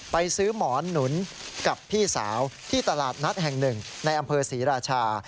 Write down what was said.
ไปซื้อหมอนหนุนกับพี่สาวที่ตลาดนัดแห่งหนึ่งในอำเภอศรีราชา